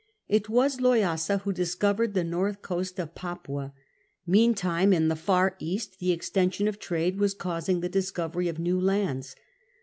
It was Loyasa who discovered the north coast of Papua Meantime, in the far cast, the extension of trade was causing the discovery of new lands.